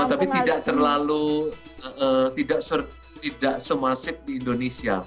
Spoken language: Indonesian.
tapi tidak terlalu tidak semasif di indonesia